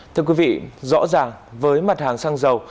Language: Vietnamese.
thưa quý vị rõ ràng với mặt hàng xăng dầu